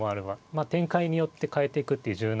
まあ展開によって変えていくっていう柔軟な構想ですね。